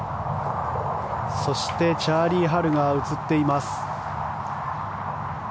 そして、チャーリー・ハルが映っています。